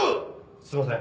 すいません。